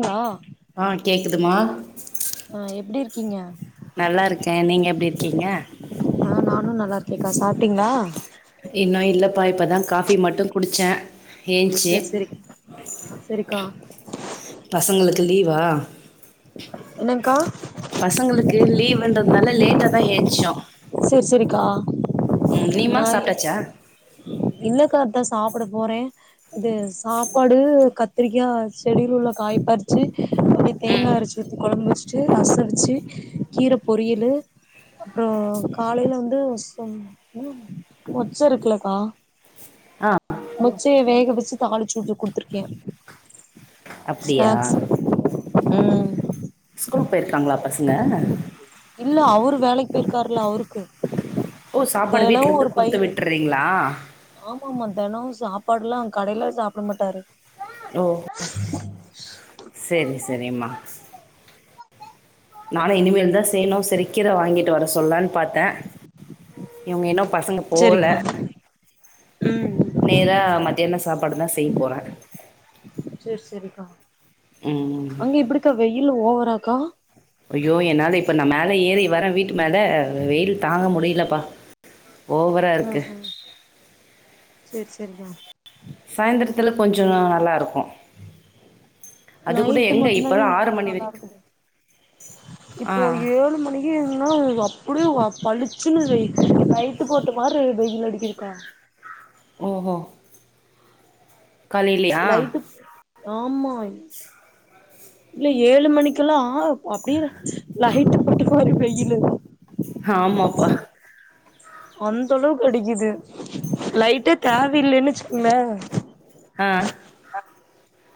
ங்களா ஆ கேக்குதுமா [inaudible] ஆ எப்டி இருக்கீங்க நல்லா இருக்கே நீங்க எப்டி இருக்கீங்க ஆ நானு நல்லா இருக்கேக்கா சாப்ட்டீங்களா இன்னும் இல்லப்பா இப்பதா காஃபி மட்டும் குடிச்சே ஏன்ச்சு சரி சரி சரிக்கா பசங்களுக்கு லீவா என்னக்கா பசங்களுக்கு லீவ்ன்றதுனால லேட்டா தா ஏந்துச்சோம் சரி சரிக்கா ம் நீமா சாப்ட்டாச்சா இப்ப சாப்ட போறே இது சாப்பாடு கத் திருகிகா செடியில் உள்ள காய பறிச்சு அப்படி தேங்கா ம் அரச்சு ஊத்தி கொழம்பு வெச் சு ரசொ வேச்சு கீர பொரியலு அப்புறோ காலைல வந்து மொச்ச இருக்கலக்கா ஆ முச்சைய வேக வெச்சு தாளிச்சு விட்டு குடுத்திருக்க அப்டியா ஸ்னாக்ஸ் உம் ஸ்கூல்க்கு போயிருக்காங்களா பசங்க இல்ல அவரு வேலைக்கு போயிருக்காருல்ல அவருக்கு ஓ சாப்பாடு தெனோ வீட்ல இருந்து ஒரு குடுத்து பயிரு விட்றீங்ளா ஆமாமா தெனோ சாப்பாடுல்லா கடைல சாப்பிட மாட்டாரு ஓ செரி செரிமா நானு இனிமேல் தா செய்யணு செரிக் கீர வாங்கிட்டு வர சொல்லான் பாத்த இவங்க இன்னு பசங்க போல உம் நேரா மத்தியான சாப்பாடுதா செய்ய போற செரி செரிக்கா அங்க எப்படிக்கா வெய்யி லவ் ஓவராக்கா ஐயோ என்னால இப்ப நா மேல ஏறி வர்ர வீட்டு மேல வெயில் தாங்க முடியலப்பா ஓவரா ம் இருக்கு ம் செரி செரிக்கா சாயந்திரத்துல கொஞ்சோ நல்லா இருக்கு நைட்டு மட்டுமந்தான்க்கா இங்க கொஞ்சோ நல்லா வரைக்கும். இருக்குது ஆ. இப்போ ஏழு மணிக்கே னா அப்படியே பளிச்சுன்னு லைட்டு போட்ட மாரி வெயில் அடிக்குதுக்கா ஓஹோ காலையிலயா? லைட்டுப் ஆமா இல்ல ஏழு மணிக்கெல்லா அப்புடியே லைட்டு தொட்டுப்பாரு வெய்யிலு ஆமாப்பா அந்த அளவுக்கு அடிக்குது லைட்டே தேவையில்லைனு வெச்சுக்கோங்களே ஆஹ்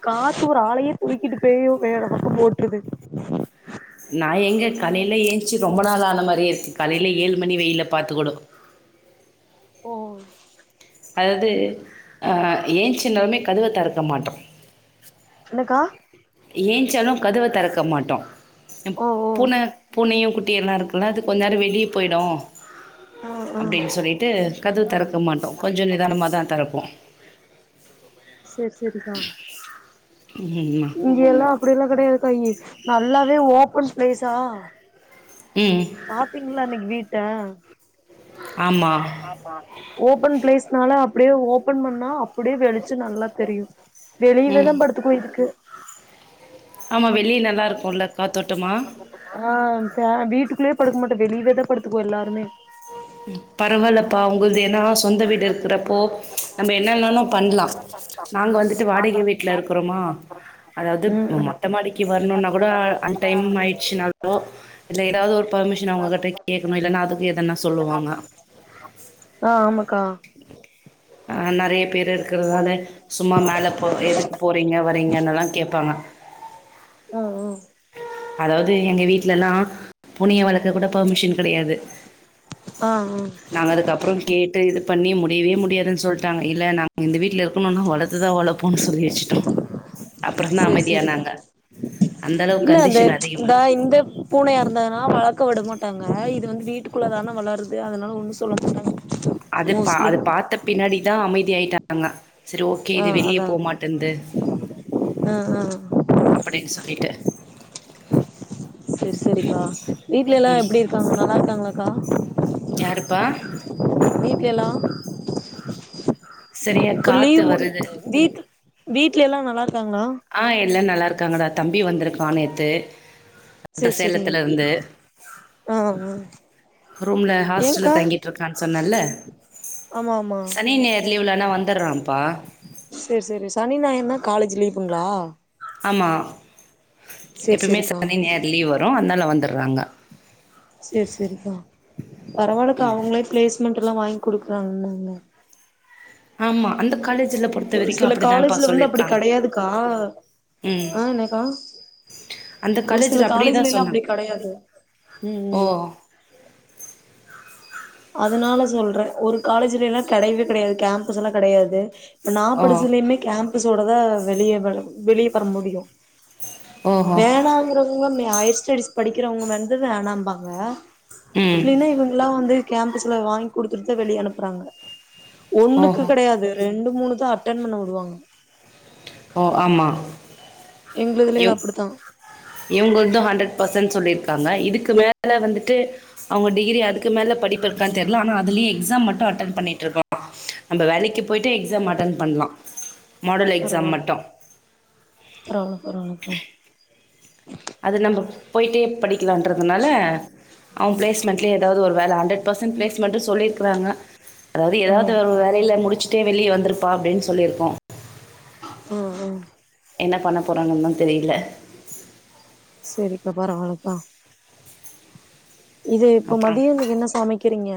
காத்து ஒரு ஆளையே தூக்கிட்டு போய் வேற பக்கோ போட்டுறுது சீ ரொம்ப நாள் ஆன மாரியே இருக்கு காலைல ஏழு மணி வெயில்ல பாத்து கூட ஓ அதாவ்து ஆ ஏன்சுன ஒன்னே கதவ தொறக்க மாட்டோ என்ன கா ஏன்ச்சாலு கதவ தெறக்க மாட்டோ ஓ ஓ பூன பூனையு குட்டியெல்லா இருக்குல்ல அது கொஞ் நேரொ வெளிய போய்டு ஆ ஆ அப்டின் சொல்லிட்டு கதவ தெறக்க மாட்டோ கொஞ்ச நிதானமாதா தெறப்போ சேரி சேரிக்கா ம்மா இங்கெயெல்லா அப்டியெல்லா கெடையதுக்கா இங்க நல்லாவே ஓப்பன் ஸ்பேஸா ம் பாத்தீங்ளா அன்னைக்கி வீட்ட ஆமா ஓப்பன் ப்ளேஸ் னால அப்டே ஓப்பன் பண்ணா அப்டே வெளிச்சொ நல்லா தெரியு ம் வெளியவேதா படுத்துக்குவோ இதுக்கு ஆமா வெளிய நல்லா இருக்குல்ல காத்தோட்டமா உள்ளயே படுக்க மாட்டோ வெளியவேதா படுத்துக்குவோ எல்லாருமே பரவால்லப்பா உங்கள்து என்னாஸ் சொந்த வீடு இருக்ககுறப்போ நம்ம என்னவ்னாலு பண்லா நாங் வந்துட்டு வாடிகே வீட்ல இருக்குறோமா அதாவ்து ம் ம் மொட்ட மாடிக்கு வர்ணுனா கூட அன் டைம் ஆயிட்ச்சுனாளோ இல்ல ஏதாது ஒர் பர்மிஷன் அவுங்க கிட்ட கேக்கணு இல்லனா அதுக்கு எதனா சொல்லுவாங்க அ ஆமக்கா ஆ நறைய பேர் இருக்குறதுனால சும்மா மேல போ எதுக்கு போறீங்க வரி ரிங்கன்னுளா கேப்பாங்க ஆ ஆ அதாவ்து எங்க வீட்லலா பூனைய வளக்க கூட போமிஷன் கடையாது ஆ ஆ நாங்க அதுக்கப்புறோ கேட் இது பண்ணி முடியவே முடியாதுன் சொல்டாங்க இல்ல நாங்க இந்த வீட்ல இருக்கணும்னு வளத்துதா வளப்போனு சொல்லி வச்சுட்டோ சேரி சேரிக்கா அந்த அளவுக்கு இல்ல அந்த கண்டிஷன் அதிகமா இந்தா இருக்கு இந்த பூனையா இருந்தனா வளக்க உடமாட் மாட்டாங்க இது வந்து வீட்டுக்குள்ள தான வளருது அதனால ஒன்னு சொல்ல மாட்டாங்க அது பா மோஸ்ட்லி அது பாத்த பின்னடி தா அமைதி ஆயிட்டாங்க செரி ஓகே ஆ இது வெளியே அதா போமாட்டேன்து ஆ ஆ அப்டின் சொல்லிட்டு செரி செரிக்கா வீட்ல எல்லா ம் எப்டிருக்காங்க நல்லாருக்காங்ளா க்கா யாருப்பா வீட்ல சரியா இப்ப காத்து லீவ் வருது முடிஞ்சு வீட்டு வீட்ல எல்லா நல்லார் க்காங்ளா எல்லா நல்லா இருக்காங்கடா தம்பி வந்திருக்கா நேத்து சேரி [inaudible] சேரி சேலத்துல இருந்து ஆ ஆ ரூம்ல ஹாஸ்டல்ல ஏங்க்கா தங்கிட்ருக்கான் சொன்னல்ல ஆமா ஆமா சனி ஞாயிற் லீவுலனா வந்துர்றாம்ப்பா வுங்ளா ஆமா எப்பமே சேரிக்கா சனி ஞாயிறு லீவ் வரு அதுனால வந்துர் றாங்க செரி செரிக்கா பரவாலக்கா அவுங்ளே பிளேஸ்மெண்ட் எல்லா வா குடுக்குறாங் அங்க ஆமா அந்த காலே ஒரு சில காலேஜ்ல வந்து அப்டி கெடையாதுக்கா ம் அ என்னக்கா அந்த ஒரு சில காலேஜ்ல அப்படிதான் எல்லா சொன்னாங்க அப்படி கெடையாது உம் ஓ உம் அதுனால சொல்றே ஒரு காலேஜ்லி எல்லா கெடையவே கெடையாது கேம்பஸ் எல்லா கெடையாது ப்ப நா ஓ படிச்சதுலிமே கேம் ப்ஸ்சோடதா வெளிய வர வெளிய வர முடியு ஓஹோ வேணாங்கறவங்க [unintelligible] ச்சடிஸ் படிக்கிறவங்க வந்து வேணாம்பாங்க ம் இல்லீனா இவுங்கல்லா வந்து கேம்பஸ்ல வாய்ங் குடுத்துட்டுத்தா வெளியனுப்புறாங்க ஒண்ணுக்கு ஓஹோ கெடையாது ரெண்டு மூணு தா அட்டன் பண்ண உடுவாங்க ஓ ஆமா எங்களுதுலலா இவ் அப்படித்தா இவ்ங்குள்து ஹண்ரட் ப த்தன் சொல்லிர்க்காங்க இதுக்கு மேல வந்துட்டு அவுங்க டிகிரி அதுக்கு மேல படிப்பு இருக்கான் தெர்ல ஆனா அதுலியு எக்ஸாம் மட்டு அட்டன் பண்ணிட்டு [inaudible] நம்ப வேலைக்கி போய்ட்டே எக்ஸாம் அட்டன் பண்லா மாடூல் எக்ஸாம் மட் [unintelligible] அது நம்ப போயிட்டே படிக்கலான்றதுனால அவ‌ பிளஸ்மெண்ட்லே ஏதாவது ஒரு வேல ஹண்டர்பர்சன்ட் ப்ளேஸ் மட்டு சொல்லிருக்குறாங்க அதாவது ஆ ஏதாவது ஒரு ஆ வேலையில முடிச்சு கே வெளியே வந்துருப்பா அப்டின்னு சொல்லிருக்கோ அ அ என்ன பண்ண போறாங்கன்னு தா தெரியல சரிக்கா பரவாலக்கா இது இப்ப அப்புறம் மதியம்த்துக்கு என்ன சமைக்கிறீங்க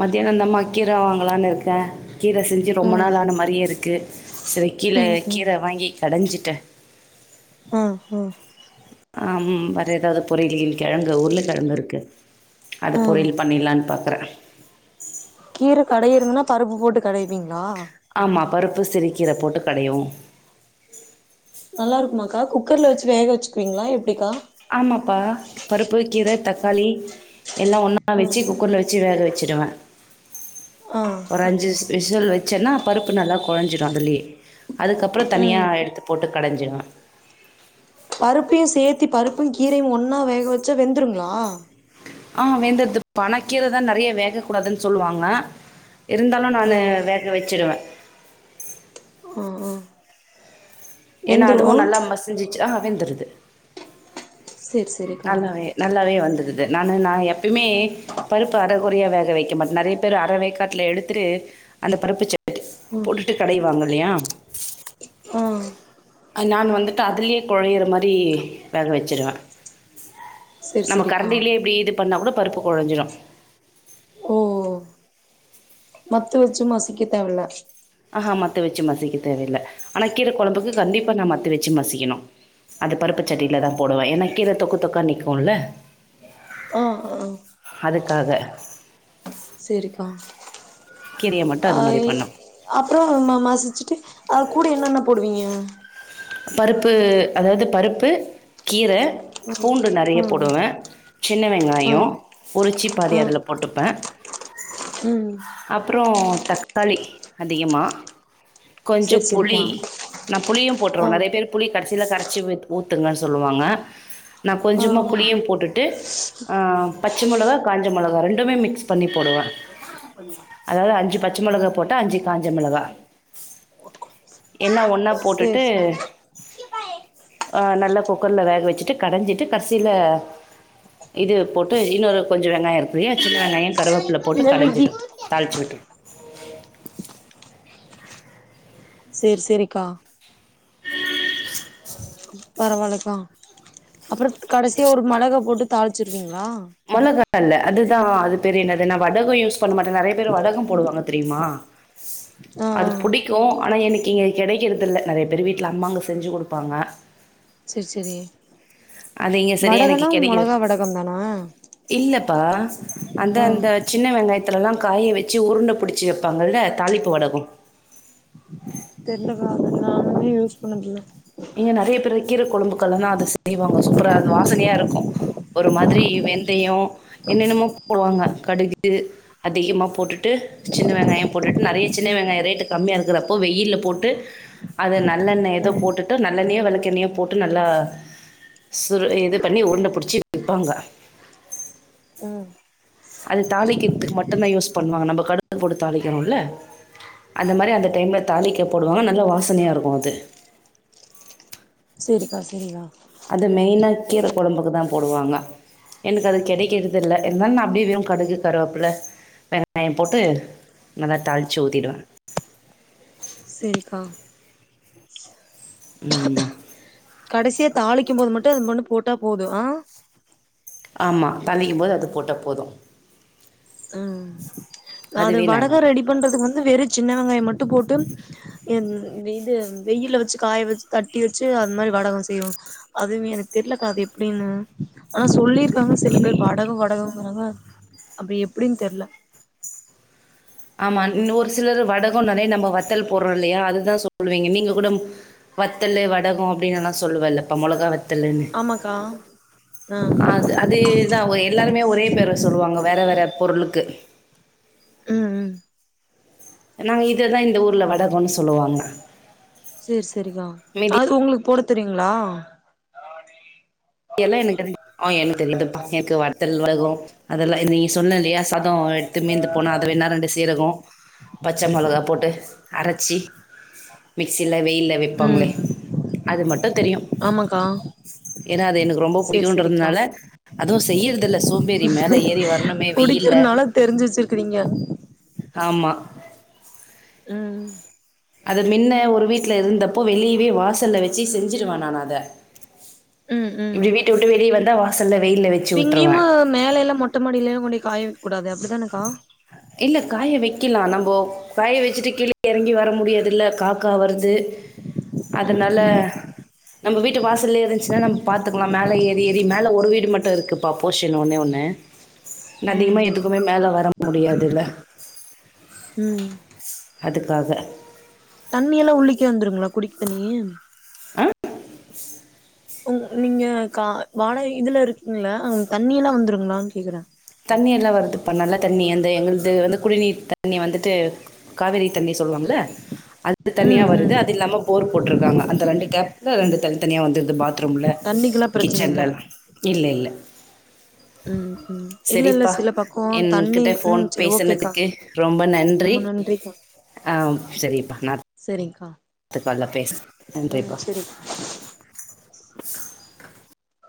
மதியானந்தமா கீர வாங்களலான்னு இருக்கே கீரை செஞ்சு ரொம்ப ம் நாள் ஆன மாதிரியே இருக்கு சில கீழே ம் கீரை வாங்கி கடைஞ்சிட்டு ஆஹ் ஆஹ் ஆம் வேற ஏதாவது பொரியில் கிழங்கு உருளகிழங்கு இருக்கு அது ஆ பொரியில் பண்ணலான்னு பாக் ன்றே கீர கடையிரதுன்னா பருப்பு போட்டு கடைவீங்க ஆமா பருப் சிருக்கீரப் போட்டு கடையுவோ நல்லா இருக்குமாக்கா குக்கர்ல வச்சு வேக வச்சுக்குவீங்களா எப்பிடிக்கா ஆமாப்பா பருப்பு கீர தக்காளி எல்லா ஒன்னா ஆ வெச்சு குக்கர்ல வெச்சு வேக வெக் வெச்சிடுவ ஆ ஒரு அஞ்சு விசல் வச்சேன்னா பருப்பு நல்லா குழஞ்சிடு அதுலயே அதுக்கப்புறோ தனியா ம் எடுத்து போட்டு கடைஞ்சிருவே பருப்பையு சேத்து பருப்பும் கீரையும் ஒன்னா வேக வச்சா வெந்துருங்களா ஆஹ் வேந்தது அனா கீரதா நெறையா வேக்கூடாதுன்னு சொல்லுவாங்க இருந்தாலு நானு ம் வேக வெச்சுடுவே ஆ ஆ ஏன்னா வெந்துரு அதுவு ஆ நல்லா மசிஞ்சு ஆ வெந்துருது சேரி சேரிக்கா நல்லாவே நல்லாவே வந்தருது நானு நா எப்பயுமே பருப்பு அரைக்குறையா வேக வைக்க மாட்டே நறைய பேரு அற வேக்காட்டுல எடுத்துட்டு அந்த பருப்பு [inaudible] போட்டுட்டு கடைவாங்கல்லையா ஆ நான் வந்துட்டு அதுலயே கொழையிற மாதிரி வேக வச்சிருவே சேரி நம்ம சேரிக்கா கரண்டிலயே இப்பிடி இது பண்ணா கூட பருப்பு குழஞ்சிடு ஓ மத்து வச்சு மசிக்க தேவல்ல ஆஹா மத்து வச்சு மசிக்க தேவையில்ல ஆனா கீர கொழம்புக்கு கண்டிப்பா நா மத்து வச்சு மசிக்கணு அது பருப்பு சட்டில தா போடுவே ஏன்னா கீரை தொக்கு தொக்கா நிக்குல்ல ஆ ஆ ஆ அதுக்காக கீரையை மட்டும் அது மாதிரி அய் பண்ணும் அப்றோ ம மசிச்சுட்டு அத் கூட என்னென்ன போடுவீங்க பருப்பு அதாவ்து பருப்பு கீர பூண்டு நெறைய ம் போடுவே சின்ன ஆ வெங்காயோ உறிச்சிப் பாதி ஆ அதுல போட்டுப்பே ம் அப்றோ தக்காளி அதிகமா கொஞ்சோ சேரி சேரிக்கா புளி நா புளியூ றோ ஆ நறைய பேரு புளி கடசில கரச்சி ஊத் ஊத்துங்க சொல்லுவாங்க நா ஆ கொஞ்சமா புளியூ போட்டுட்டு ஆ பச்ச மெளகா காஞ்ச மெளகா ரெண்டுமே மிக்ஸ் பண்ணி போடுவே அதாவ்து அஞ்சி பச்ச மெளகா போட்டா அஞ்சி காஞ்ச மிளகா எல்லா ஒன் லா போட்டுட் சேரி ஆ சேரி ஆ நல்லா குக்கர்ல வேக வச்சுட்டு கடஞ்சிட்டு கட்சில இது போட்டு இன்னொரு கொஞ்சோ வெங்காயோ இருக்குல்லியா சின்ன வெங்காயோ கருவேப்பில போட்டு கடைஞ்சிடூ தாள்ச்சு விட்ர் ஓ சேர் செரிக்கா பரவால்லக்கா அப்றோ கடசியா ஒரு மெளகா போட்டு தாளிச்சிருவீங் மளகால்ல அதுதா அது பேரு என்னதுன்னா வடகோ யூஸ் பண்ண மாட்டே நறைய பேர் வடகோ போடுவாங்க தெரியுமா ஆ ஆ அது புடிக்கூ ஆனால எனக்கு இங்க கெடைக்கிறதில்ல நெறைய பேர் வீட்ல அம்மாங்க செஞ்சு குடுப்பாங்க அது இங்க சரியா எனக்கு வடகோனா மொளகா வடகோந்தானா பா அந்த அந்த சின்ன வெங்காயத் த்துலல்லா காய வச்சு உருண்ட புடிச்சு வெப்பாங்கல தாளிப்பு வடகோ தெர்லக்கா நானே யூஸ் பண்ணதில்ல கீர கொழும்புக்கெல்லா அது செய்வாங்க சூப்பரா அது வாசனையா இருக்கூ ஒரு மாத்ரி வெந்தியோ என்னென்னமோ போடுவாங்க கடுகு அதிகமா போட்டுட்டு சின்ன வெங்காயோ போட்டுட்டு நெறைய சின்ன ம் வெங்காயோ ரேட்டு கம்மியா இருக்கிறப்போ வெயில்ல போட்டு அத நல்லெண்ண ஏதோ ம் போட்டுட் டு நல்லண்ணையோ வெளக்கண்ணயோ போட்டு நல்லா சுர் இது பண்ணி உண்ட பிடிச்சி வப்பாங்க ம் அது தாளிக்கிற்துக்கு மட்டுந்தா யூஸ் பண்ணுவாங்க நம்ம கடுகு போட்டு தாளிக்கணோல்ல அந்த மாரி அந்த டைம்ல தாளிக்க போடுவாங்க நல்ல வாசனையாருக்கூ அது செரிக்கா செரிக்கா அது மெய்னா கீர கொழும்புக்கு தா போடுவாங்க எனக்கு அது கெடைக்கறதில்ல இருந்தாலு நா அப்டியே கடுகு கருவேப்புல வெங்காயோ போட்டு நல்லா தாளிச்சு ஊத்திடுவே செரிக்கா ம் மா கடைசியா தாளிக்கும் போது மட்டூ அது மட்டூ போட்டா போதூ ஆ ஆமா தாளிக்கும் போது அது போட்டா போதூ நா அது அதுவே வடகோ நல்லாருக்கு ரெடி பண்றதுக்கு வந்து வெறூ சின்ன வெங்காயோ மட்டூ போட்டு ம் இது வெயில வச்சு காய வச்சு தட்டி வச்சு அது மாரி வடகோ செய்வோ அதுவ்மே எனக்கு தெர்லக்கா அது எப்டின்னு ஆனா சொல்லிர் காங்க சில இன் பேர் வடகோ வடகோ அதா அப்டி எப்டின்னு தெரியல ஆமா இன்னொரு சிலரு வடகம்ன்னாலே நம்ம வத்தல் போடுறோம் இல்லையா அதுதா சொல்லுவீங்க நீங்க கூட வத்தலு வடகம் அப்டின்னு எல்லாம் சொல்வல்ல இப்ப மொளகா வத்தலு வத்தலுன்னு ஆமாக்கா ஆ அது அதேதா எல்லாருமே ஒரே பேரை சொல்லுவாங்க வேற வேற பொருளுக்கு ம் ம் நாங்க இததா இந்த ஊர்ல வடகம்ன்னு சொல்லுவாங்க சேரி சேரிக்கா மீதி அது உங்களுக்கு போட தெரியுங்களா எல்லாம் எனக்கு தெரிய ஆனா எனக்கு தெரியுதுப்பா எனக்கு வத்தல் வகை எதுவும் அதெல்லாம் நீ சொன்ன இல்லையா சாதோ எடுத்து மீந்து போனா அத வேன்னா ரெண்டு சீரகம் பச்சை மொளகா போட்டு அரச்சி மிக்ஸியில வெயில ம் வைப்பாங்களே அது மட்டு தெரியும் ஆமாக்கா ஏன்னா அது எனக்கு ரொம்ப சேரி சேரிக்கா பிடிக்குன்றதுனால அதுவும் செய்யறதுல்ல சோம்பேறி மேல ஏறி வரணுமே வெயில்ல குடிக்கிறதுனால தெரிஞ்சு வச்சிருக்கிறீங்க ஆமா ம் அது மின்ன ஒரு வீட்டுல இருந்தப்போ வெளியவே வாசல்ல வச்சு செஞ்சுருவே நா அத இப்டி வீட்ட விட்டு வெளிய வந்து நேரா வாசல்ல வெயில்ல வச்சு விட்ருவே இங்கயுமா மேல எல்லா மொட்ட மாடில்லலா கொண்டு காய வெக்க கூடாது அப்படித்தானக்கா இல்ல தூக்கிட்டு கீழ இறங்கி வர முடியாதுல்ல காக்கா வரு து ம் அதனால ம் நம்ம வீட்டு வாசல்லயே இருந்துச்சுன்னா நம்ம பாத்துக்கலாம் மேல ஏறி ஏறி மேல ஒரு வீடு மட்டும் இருக்கு பா போர்ஷன் ஒன்னே ஒண்ணு ம் அதிகமா ம் எதுக்குமே மேல வர முடியாது ம் அதுக்காக தண்ணி எல்லா உள்ளிக்கே வந்துருங்களா குடிக்கு தண்ணி ஆ உ உண்மையாதாக்கா வாடகை இதுல இருக்கீங்களா அவங்க தண்ணி எல்லாம் வந்துருங்களான்னு கேக்குற தண்ணி எல்லா வருதுப் பா நல்ல தண்ணி அந்த எங்கது வந்து குடிநீர் தண்ணி வந்துட்டு காவேரி தண்ணி சொல்லுவாங்க அது அது தனியா ம் வருது ம் அது இல்லாம போர் போட்டிருக்காங்க அந்த ரெண்டு கப் ரெண்டு தள்ளி தனியா வந்துடுது பாத்ரூம்ல தண்ணிக்கெல்லா பிரச்சன இல்ல கிச்சன்லலா இல்ல இல்ல ம் ம் இல்ல இல்ல சரிப்பா சில பக்கோ தண்ணி என்கிட்ட போன் ம் சரி ஓகேக்கா பேசனதுக்கு ரொம்ப நன்றி ரொம்ப நன்றிக்கா ஆ சரிப்பா நா சரிங்க்கா அடுத்த கால் ல பேச ம் நன்றிப்பா சரிக்கா [inaudible]